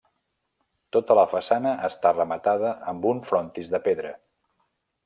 Tota la façana està rematada amb un frontis de pedra.